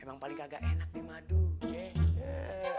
emang paling agak enak di madu